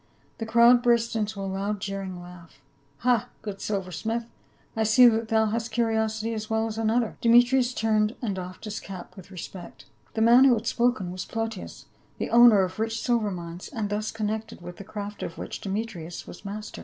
The crowd burst into a loud jeering laugh. " Ha, good silver smith, I see that thou hast curi osity as well as another." Demetrius turned and doffed his cap with respect. The man who had spoken \\as Plautius, the owner of rich siKcr mines, and thus connected with the craft of which Demetrius was master.